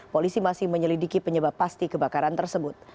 polisi masih menyelidiki penyebab pasti kebakaran tersebut